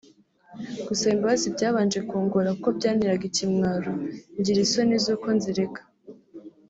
Gusaba imbabazi byabanje kungora kuko byanteraga ikimwaro ngira isoni zuko nzirega